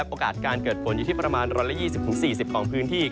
โอกาสการเกิดฝนอยู่ที่ประมาณ๑๒๐๔๐ของพื้นที่